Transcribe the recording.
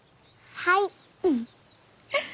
はい。